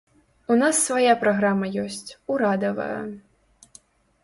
У нас свая праграма ёсць, урадавая.